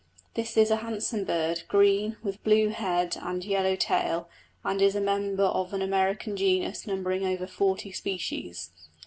This is a handsome bird, green, with blue head and yellow tail, and is a member of an American genus numbering over forty species.